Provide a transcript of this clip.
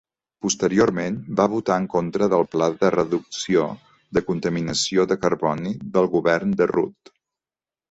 Posteriorment, va votar en contra del Pla de reducció de contaminació de carboni del govern de Rudd.